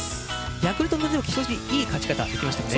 ヤクルトはいい勝ち方をしましたね。